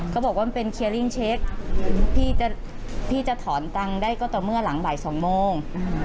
เขาบอกว่ามันเป็นเคลียร์ลิ่งเช็คพี่จะถอนตังค์ได้ก็ต่อเมื่อหลังบ่าย๒โมง